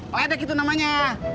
ledek itu namanya